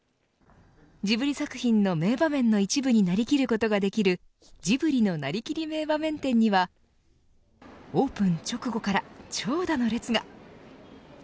ジブリ作品の名場面の一部になりきることができるジブリのなりきり名場面展にはオープン直後から長蛇の列が。